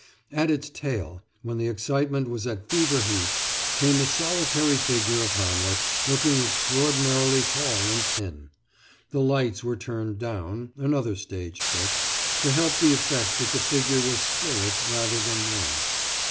At its tail, when the excitement was at fever heat, came the solitary figure of Hamlet, looking extraordinarily tall and thin, The lights were turned down another stage trick to help the effect that the figure was spirit rather than man.